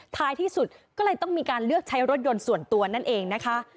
ท้ายที่สุดก็เลยต้องมีการเลือกใช้รถยนต์ส่วนตัวนั่นเองนะคะ